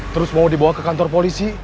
terus mau dibawa ke kantor polisi